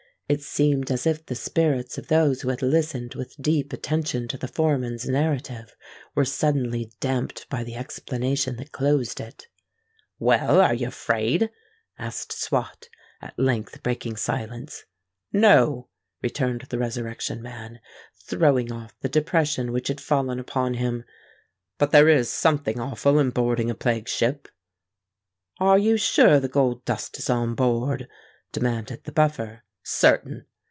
It seemed as if the spirits of those who had listened with deep attention to the foreman's narrative, were suddenly damped by the explanation that closed it. "Well—are you afraid?" asked Swot, at length breaking silence. "No," returned the Resurrection Man, throwing off the depression which had fallen upon him. "But there is something awful in boarding a plague ship." "Are you sure the gold dust is on board?" demanded the Buffer. "Certain.